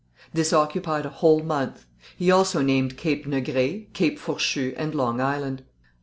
This occupied a whole month. He also named Cape Négré, Cape Fourchu and Long Island.